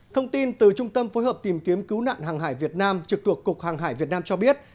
thông tin từ trung tâm phối hợp tìm kiếm cứu nạn hàng hải việt nam trực thuộc cục hàng hải việt nam cho biết